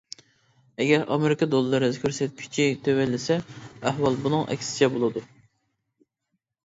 ئەگەر ئامېرىكا دوللىرى كۆرسەتكۈچى تۆۋەنلىسە، ئەھۋال بۇنىڭ ئەكسىچە بولىدۇ.